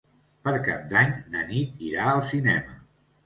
Per Cap d'Any na Nit irà al cinema.